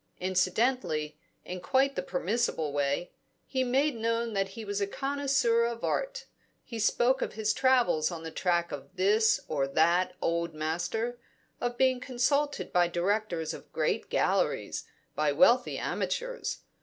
Incidentally, in quite the permissible way, he made known that he was a connoisseur of art; he spoke of his travels on the track of this or that old master, of being consulted by directors of great Galleries, by wealthy amateurs.